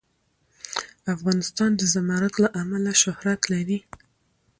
افغانستان د زمرد له امله شهرت لري.